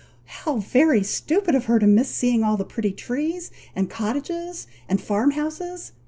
"How very stupid of her to miss seeing all the pretty trees, and cottages, and farm houses!